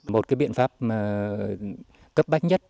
một biện pháp cấp bách nhất